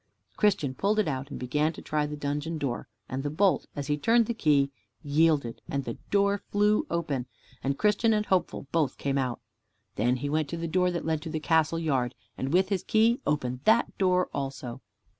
Christian pulled it out and began to try the dungeon door, and the bolt, as he turned the key, yielded, and the door flew open, and Christian and Hopeful both came out. Then he went to the door that led to the castle yard, and with his key opened that door also.